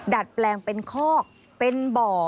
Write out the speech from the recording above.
ดัดแปลงเป็นคอกเป็นบ่อ